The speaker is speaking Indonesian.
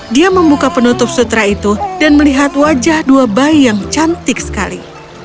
dia membuka penutup sutra itu dan melihat wajah dua bayi yang cantik sekali